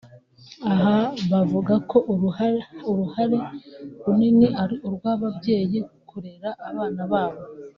ah bavuga ko uruhare runini ari urw’ababyeyi kurera abana babo